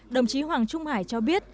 đồng chí hoàng trung hải cho biết